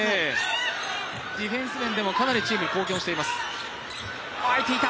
ディフェンス面でもかなりチームに貢献をしています。